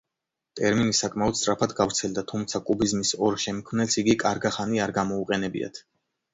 ტერმინი საკმაოდ სწრაფად გავრცელდა, თუმცა კუბიზმის ორ შემქმნელს იგი კარგა ხანი არ გამოუყენებიათ.